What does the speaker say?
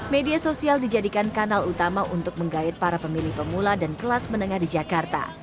media sosial dijadikan kanal utama untuk menggait para pemilih pemula dan kelas menengah di jakarta